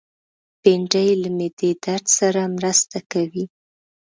بېنډۍ له معدې درد سره مرسته کوي